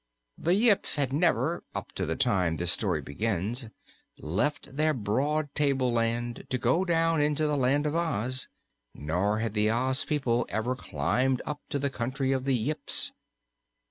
The Yips had never up to the time this story begins left their broad tableland to go down into the Land of Oz, nor had the Oz people ever climbed up to the country of the Yips.